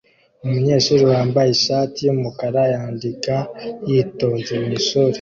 Umunyeshuri wambaye ishati yumukara yandika yitonze mwishuri